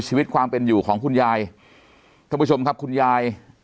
ชีวิตความเป็นอยู่ของคุณยายท่านผู้ชมครับคุณยาย